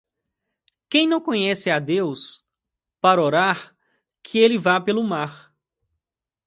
Quem não conhece a Deus para orar que ele vá pelo mar.